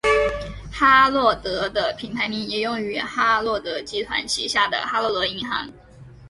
哈洛德的品牌名也用于哈洛德集团旗下的哈洛德银行。